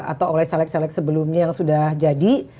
atau oleh caleg caleg sebelumnya yang sudah jadi